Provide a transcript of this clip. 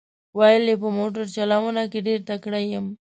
ویل یې په موټر چلونه کې ډېر تکړه یم.